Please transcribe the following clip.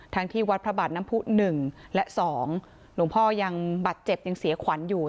ที่วัดพระบาทน้ำผู้๑และ๒หลวงพ่อยังบาดเจ็บยังเสียขวัญอยู่